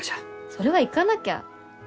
それは行かなきゃ。